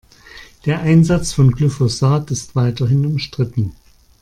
Der Einsatz von Glyphosat ist weiterhin umstritten.